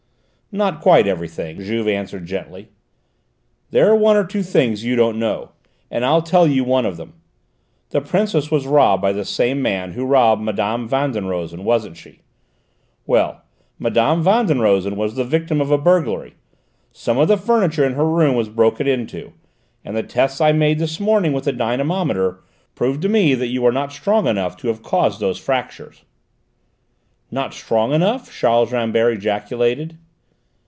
"Not quite everything," Juve answered gently. "There are one or two things you don't know, and I'll tell you one of them. The Princess was robbed by the same man who robbed Mme. Van den Rosen, wasn't she? Well, Mme. Van den Rosen was the victim of a burglary: some of the furniture in her room was broken into, and the tests I made this morning with the dynamometer proved to me that you are not strong enough to have caused those fractures." "Not strong enough?" Charles Rambert ejaculated.